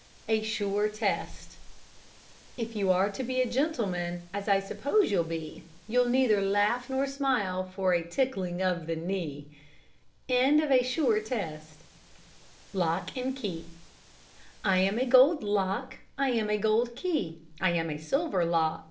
A SURE TEST If you are to be a gentleman, As I suppose you'll be, You'll neither laugh nor smile, For a tickling of the knee. LOCK AND KEY "I am a gold lock." "I am a gold key." "I am a silver lock."